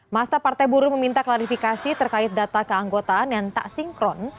masa partai buruh meminta klarifikasi terkait data keanggotaan yang tak sinkron